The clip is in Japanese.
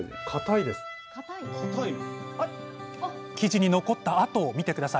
生地に残った跡を見て下さい。